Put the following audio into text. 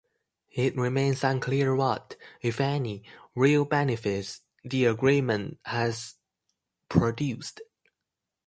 It remains unclear what, if any, real benefits the agreement has produced.